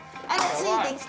ついてきて。